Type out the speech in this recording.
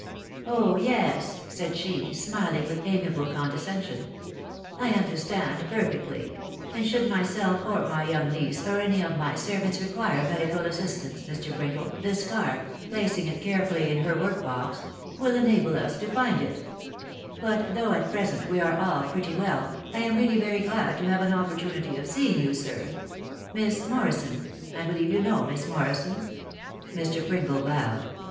" Oh yes !" said she, smiling with amiable condescension, 'I understand perfectly ;...* and &wft& m^wtt, or my THE WIDOW BABXABY. 289 young niece, or any of my servants require medical assistance, Mr. Pringle, this card (placing it carefully in her work box) will enable us to find it But, though at present we are all pretty well, I am really very glad to have an opportunity of seeing you, air ...• Miss Morrison •..* I believe you know Miss Morrison ?.... (Mr. Pringle bowed)